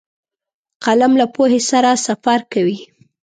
قلم له پوهې سره سفر کوي